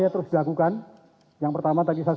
yang harus diakukan yang pertama tadi saya